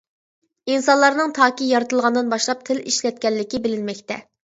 ئىنسانلارنىڭ تاكى يارىتىلغاندىن باشلاپ تىل ئىشلەتكەنلىكى بىلىنمەكتە.